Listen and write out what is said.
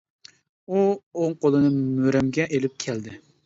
ئۇ ئوڭ قولىنى مۈرەمگە ئېلىپ كەلدى.